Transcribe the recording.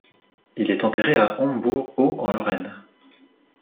Il est enterré à Hombourg-Haut en Lorraine.